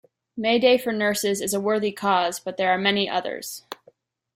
Mayday for Nurses is a worthy cause, but there are many others.